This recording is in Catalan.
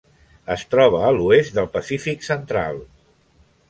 Es troba a l'oest del Pacífic central: